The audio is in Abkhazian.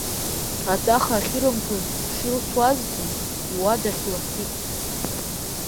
Атәаха ахирымҭоз шилсуазгьы, иуадахь дласит.